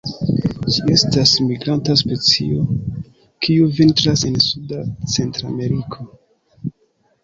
Ĝi estas migranta specio, kiu vintras en suda Centrameriko.